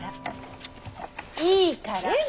いいから。